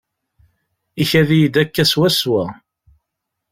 Ikad-iyi-d akka swaswa.